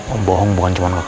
om bohong bukan cuma ke kamu